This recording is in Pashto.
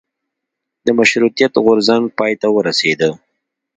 د مشروطیت غورځنګ پای ته ورسیده.